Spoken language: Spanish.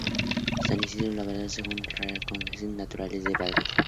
San Isidro Labrador según su Real Congregación de Naturales de Madrid.